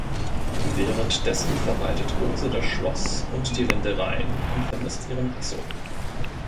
Währenddessen verwaltet Rose das Schloss und die Ländereien und vermisst ihren Hasso.